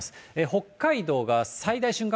北海道が最大瞬間